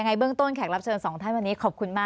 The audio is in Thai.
คุณทัศนายค่ะ